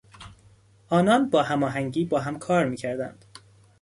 آنان با هماهنگی با هم کار میکردند.